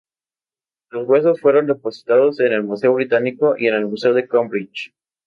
Los huesos fueron depositados en el Museo Británico y el Museo de Cambridge.